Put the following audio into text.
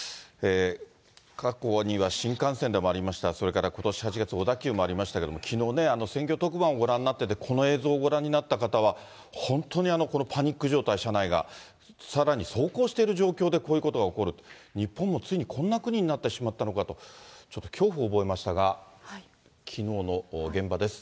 過去には新幹線でもありました、それからことし８月、小田急もありましたけれども、きのうね、選挙特番をご覧になってて、この映像をご覧になった方は、本当に、このパニック状態、車内が、さらに走行している状況でこういうことが起こると、日本もついにこんな国になってしまったのかと、ちょっと恐怖をおぼえましたが、きのうの現場です。